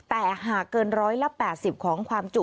แต่หากเกิน๑๘๐ของความจุ